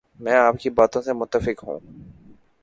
میں آپ کی باتوں سے متفق ہوں